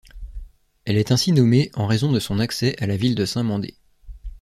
Elle est ainsi nommée en raison de son accès à la ville de Saint-Mandé.